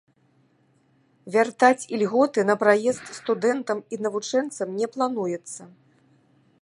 Вяртаць ільготы на праезд студэнтам і навучэнцам не плануецца.